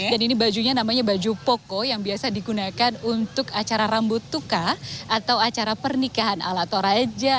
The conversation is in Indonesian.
dan ini bajunya namanya baju poko yang biasa digunakan untuk acara rambut tuka atau acara pernikahan ala toraja